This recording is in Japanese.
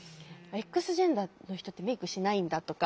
Ｘジェンダーの人ってメークしないんだとか。